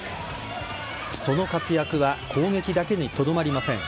その活躍は攻撃だけにとどまりません。